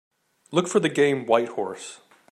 Look for the game Whitehorse